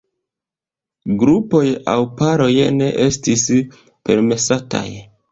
Grupoj aŭ paroj ne estis permesataj.